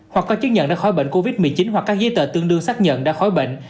hoặc có chứng nhận đã khói bệnh covid một mươi chín hoặc các dây tờ tương đương xác nhận đã khói bệnh